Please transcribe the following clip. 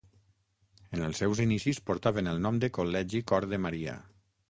En els seus inicis portaven el nom de Col·legi Cor de Maria.